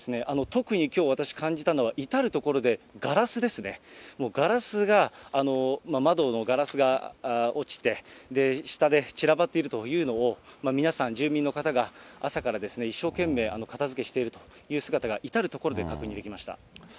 特にきょう、私感じたのは、至る所でガラスですね、もうガラスが、窓のガラスが落ちて、下で散らばっているというのを、皆さん、住民の方が、朝から一生懸命、片づけしているという姿が至る所で確認できました。